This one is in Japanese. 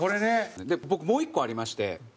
僕もう１個ありまして。